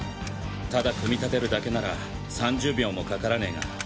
ただ組み立てるだけなら３０秒もかからねぇが。